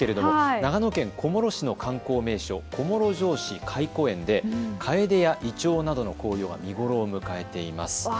長野県小諸市の観光名所、小諸城址懐古園でカエデやイチョウなどの紅葉が見頃を迎えています。